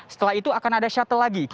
setelah itu akan ada shuttle lagi